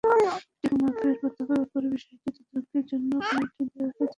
সঠিক মাপের পতাকা ব্যবহারের বিষয়টি তদারকির জন্য কমিটি করে দেওয়া হয়েছে।